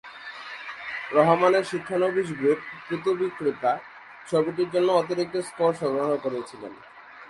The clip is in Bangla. রহমানের শিক্ষানবিশ গ্রুপ কুতুব-ই-কৃপা, ছবিটির জন্য অতিরিক্ত স্কোর সরবরাহ করেছিল।